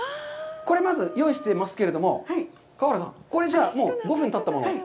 これまず用意してますけれども、川原さん、これじゃあもう５分たったもの。